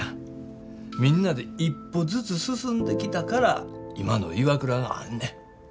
みんなで一歩ずつ進んできたから今のＩＷＡＫＵＲＡがあんねん。